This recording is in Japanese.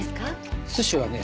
寿司はね